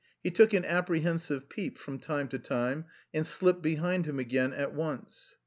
He took an apprehensive peep from time to time and slipped behind him again at once.